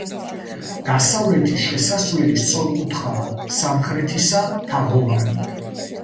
დასავლეთის შესასვლელი სწორკუთხაა, სამხრეთისა თაღოვანი.